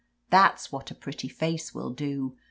"That's what a pretty face will do.